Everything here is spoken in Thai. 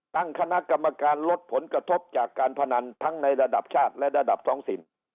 ตั้งคณะกรรมการลดผลกระทบจากการพนันทั้งในระดับชาติและระดับท้องถิ่น